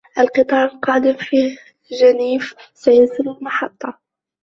القطار القادم من جنيف سيصل المحطة.